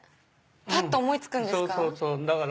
ぱっと思い付くんですか？